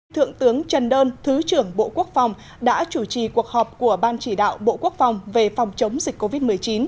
thượng tướng trần đơn thứ trưởng bộ quốc phòng đã chủ trì cuộc họp của ban chỉ đạo bộ quốc phòng về phòng chống dịch covid một mươi chín